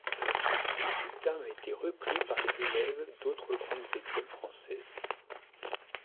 Le terme a été repris par les élèves d'autres grandes écoles françaises.